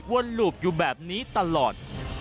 หลูบอยู่แบบนี้ตลอด